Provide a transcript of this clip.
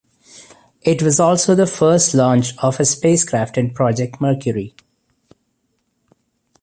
It was also the first launch of a spacecraft in Project Mercury.